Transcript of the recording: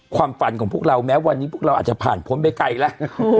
ความฝันของพวกเราแม้วันนี้พวกเราอาจจะผ่านพ้นไปไกลแล้ว